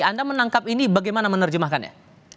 anda menangkap ini bagaimana menerjemahkannya